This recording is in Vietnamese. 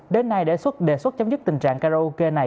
đến nay đề xuất đề xuất chấm dứt tình trạng karaoke này